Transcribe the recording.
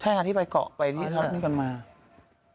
ใช่ค่ะที่ไปเกาะไปรับมิ้นกันมา